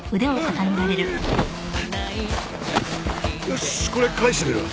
よしこれ返してみろ。